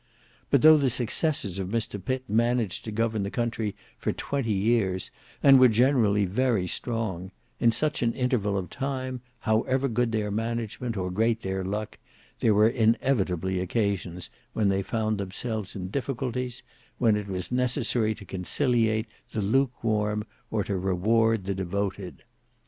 But though the successors of Mr Pitt managed to govern the country for twenty years and were generally very strong, in such an interval of time however good their management or great their luck, there were inevitably occasions when they found themselves in difficulties, when it was necessary to conciliate the lukewarm or to reward the devoted.